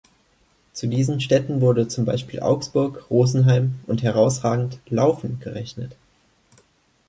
Zu diesen Städten wurde zum Beispiel Augsburg, Rosenheim und herausragend, Laufen gerechnet.